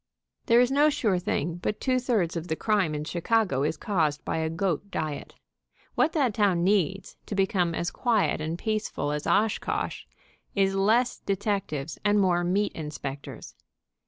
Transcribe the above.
There is no sure thing but two thirds of the crime in Chicago is caused by a goat diet. What that town needs, to become as quiet and peaceful as Oshkosh, is less detectives and more meat inspectors.